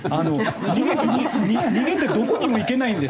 逃げてどこにも行けないんです。